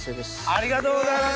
ありがとうございます。